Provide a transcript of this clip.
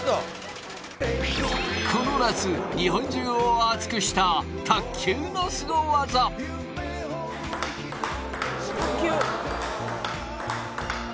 この夏日本中を熱くした卓球のすご技卓球！